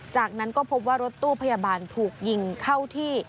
จากนั้นก็พบว่ารถตู้พยาบาลถูกยิงเข้าที่